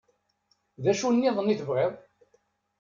D acu-nniḍen i tebɣiḍ?